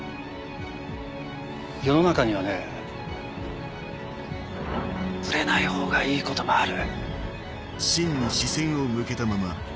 世の中にはね触れない方がいいこともある。